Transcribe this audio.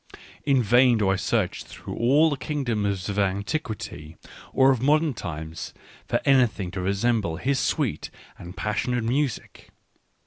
In vain do I search through all the kingdoms of an tiquity or of modern times for anything to resemble his sweet and passionate music.